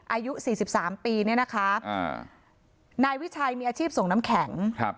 อายุสี่สิบสามปีเนี่ยนะคะอ่านายวิชัยมีอาชีพส่งน้ำแข็งครับ